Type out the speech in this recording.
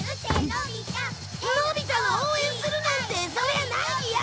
のび太の応援するなんてそりゃないよ！